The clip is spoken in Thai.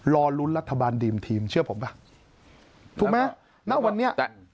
รอลุ้นรัฐบาลดีมทีมเชื่อผมก่ะถูกไหม